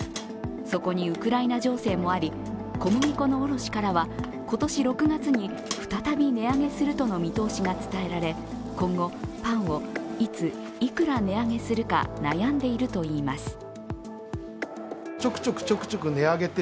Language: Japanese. そこにウクライナ情勢もあり小麦粉の卸しからは今年６月に再び値上げするとの見通しが伝えられ今後、パンをいつ、いくら値上げするか悩んでいるといいます。